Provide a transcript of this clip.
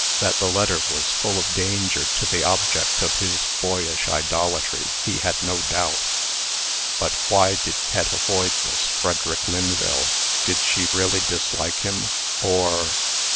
That the letter was full of danger to the object of his boyish idolatry, he had no doubt. But why did Pet avoid this Frederick Lynville? Did she really dislike him? Or